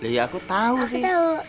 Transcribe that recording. ya aku tau sih